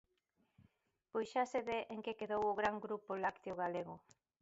Pois xa se ve en que quedou o gran grupo lácteo galego.